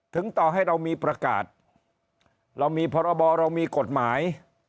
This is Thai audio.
ต่อให้เรามีประกาศเรามีพรบเรามีกฎหมาย